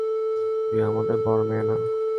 তুই আমাদের বড় মেয়ে না?